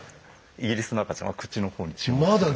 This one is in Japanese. イギリスの赤ちゃんは口の方に注目する。